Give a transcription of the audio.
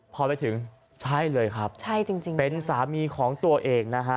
พอไปถึงใช่เลยครับใช่จริงเป็นสามีของตัวเองนะฮะ